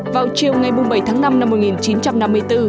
vào chiều ngày bảy tháng năm năm một nghìn chín trăm năm mươi bốn